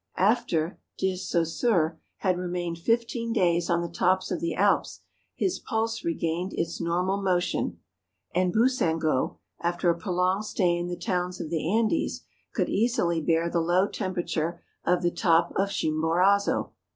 After, De Saussure had remained fifteen days on the top of the Alps, his pulse re¬ gained its normal motion; and Boussingault, after a prolonged stay in the towns of the Andes, could easily bear the low temperature of the top of Chim¬ borazo.